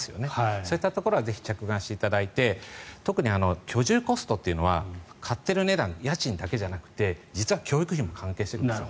そういったところはぜひ着眼していただいて特に居住コストというのは買っている値段家賃だけじゃなくて実は教育費も関係しているんです。